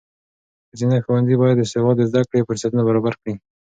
ښځینه ښوونځي باید د سواد د زده کړې فرصتونه برابر کړي.